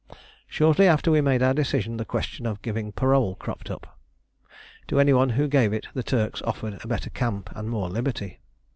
Shortly after we had made our decision the question of giving parole cropped up. To any one who gave it the Turks offered a better camp and more liberty.